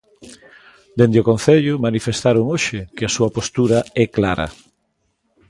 Dende o Concello manifestaron hoxe que a súa postura é clara.